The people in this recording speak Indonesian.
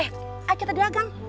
eh aja tadi agang